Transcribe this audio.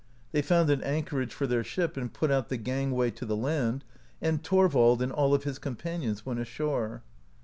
They found an anchorage for their ship and put out the gangway to the land, and Thorvald and all of his com panions went ashore.